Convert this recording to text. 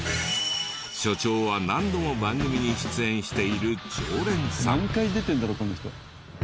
所長は何度も番組に出演している常連さん。